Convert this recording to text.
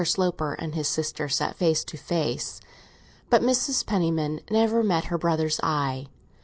Sloper and his sister sat face to face, but Mrs. Penniman never met her brother's eye.